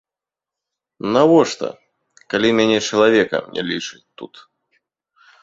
Навошта, калі мяне чалавекам не лічаць тут!